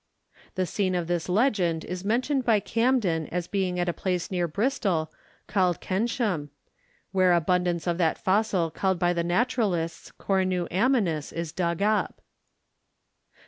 The scene of this legend is mentioned by Camden as being at a place near Bristol, called Keynsham, 'where abundance of that fossil called by the naturalists Cornu Ammonis is dug up.'